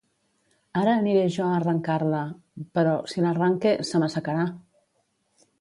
Ara aniré jo a arrancar-la... però, si l’arranque, se m'assecarà!